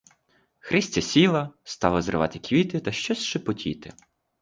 Христя сіла, стала зривати квіти та щось шепотіти.